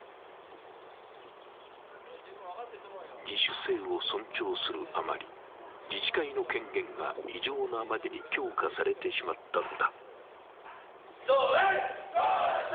自主性を尊重する余り、自治会の権限が異常なまでに強化されてしまったのだ。